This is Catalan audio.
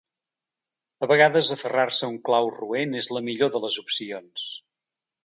A vegades, aferrar-se a un clau roent és la millor de les opcions.